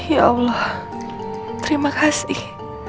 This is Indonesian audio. ya allah terima kasih